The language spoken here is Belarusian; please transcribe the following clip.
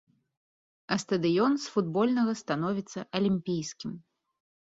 А стадыён з футбольнага становіцца алімпійскім.